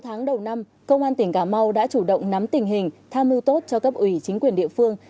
sáu tháng đầu năm công an tỉnh cà mau đã chủ động nắm tình hình tham mưu tốt cho cấp ủy chính quyền địa phương